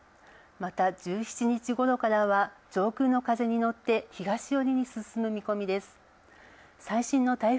また、１７日頃からは上空の風に乗って、東寄りに進む予想です。